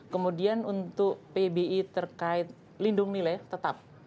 kemudian untuk pbi terkait lindung nilai tetap